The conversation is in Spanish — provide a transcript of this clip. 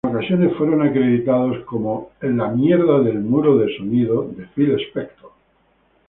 En ocasiones fueron acreditados como "The Phil Spector Wall of Sound Orchestra".